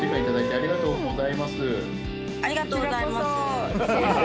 ありがとうございます。